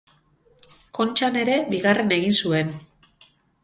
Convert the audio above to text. Kontxan ere bigarren egin zuen.